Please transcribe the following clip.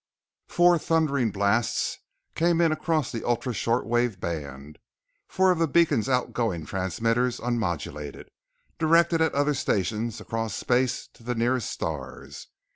Four thundering blasts came in across the ultra short wave band, four of the beacon's outgoing transmitters unmodulated, directed at other stations across space to the nearer stars.